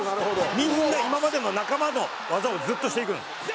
「みんな今までの仲間の技をずっとしていくんですよ」